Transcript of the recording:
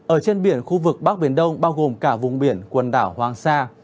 ở trên biển khu vực bắc biển đông bao gồm cả vùng biển quần đảo hoàng sa